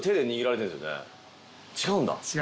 違うんだ。